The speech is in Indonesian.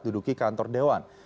duduki kantor dewan